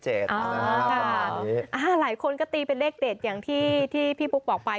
หลายคนก็ตีเป็นเลขเด็ดอย่างที่พี่ปุ๊กบอกไป